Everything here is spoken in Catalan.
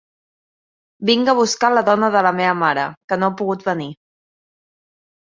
Vinc a buscar la dona de la meva mare, que no ha pogut venir.